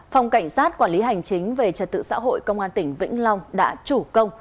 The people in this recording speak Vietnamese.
phòng cảnh sát quản lý hành chính về trật tự xã hội công an tỉnh vĩnh long đã chủ công